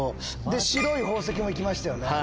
白い宝石も行きましたよね。